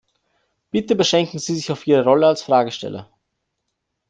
Bitte beschränken Sie sich auf Ihre Rolle als Fragesteller.